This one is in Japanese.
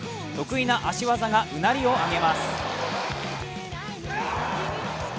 得意な足技がうなりを上げます。